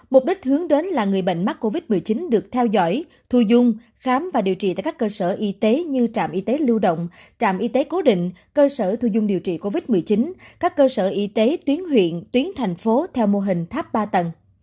mục đích hướng đến là người bệnh mắc covid một mươi chín được theo dõi thu dung khám và điều trị tại các cơ sở y tế như trạm y tế lưu động trạm y tế cố định cơ sở thu dung điều trị covid một mươi chín các cơ sở y tế tuyến huyện tuyến thành phố theo mô hình tháp ba tầng